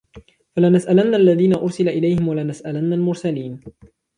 فَلَنَسْأَلَنَّ الَّذِينَ أُرْسِلَ إِلَيْهِمْ وَلَنَسْأَلَنَّ الْمُرْسَلِينَ